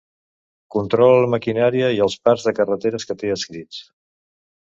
Controla la maquinària i els parcs de carreteres que té adscrits.